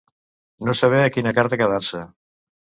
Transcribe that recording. No saber a quina carta quedar-se.